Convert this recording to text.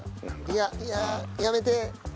「いややめて」。